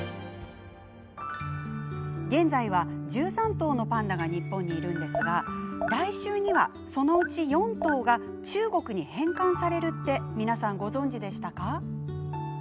現在は、１３頭のパンダが日本にいるのですが来週には、そのうち４頭が中国に返還されるって皆さん、ご存じでしたか？